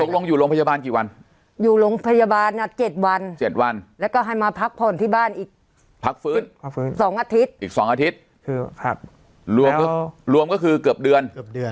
ตกลงอยู่โรงพยาบาลกี่วัน